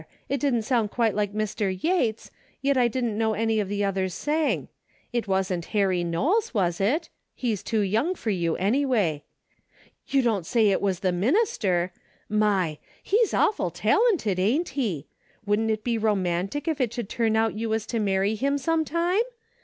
It didn't sound quite like Mr. Yates, but I didn't know any of the others sang. It wasn't Harry Knowles, was it? DAILY RATE.^' 277 He's too young for you an3^way. You don't say it was the minister ! My I He's awful talented, ain't he ? Wouldn't it be romantic if it should turn out you was to marry him some time